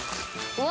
うわ！